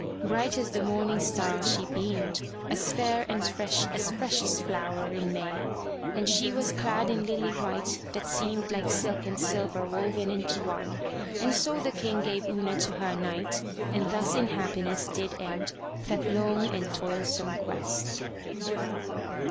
Bright as the morning star she beamed, as fair and fresh as freshest flower in May, and she was clad in lily white, that seemed like silk and silver woven into one. And so the King gave Una to her Knight and thus in happiness did end that long and toilsome quest.